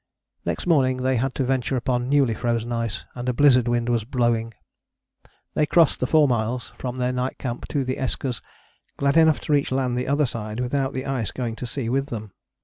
Next morning they had to venture upon newly frozen ice, and a blizzard wind was blowing. They crossed the four miles from their night camp to the Eskers, glad enough to reach land the other side without the ice going to sea with them.